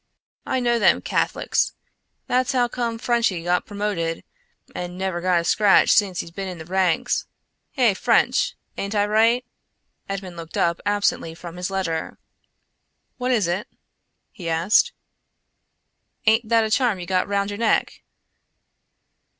I know them Cath'lics. That's how come Frenchy got permoted an never got a scratch sence he's been in the ranks. Hey, French! aint I right?" Edmond looked up absently from his letter. "What is it?" he asked. "Aint that a charm you got round your neck?"